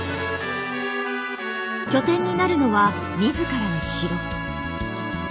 拠点になるのは自らの城。